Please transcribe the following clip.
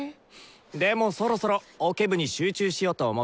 でもそろそろオケ部に集中しようと思ってんだぜ。